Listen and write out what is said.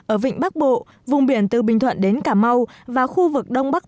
ở vịnh bắc bộ vùng biển từ bình thuận đến cà mau và khu vực đông bắc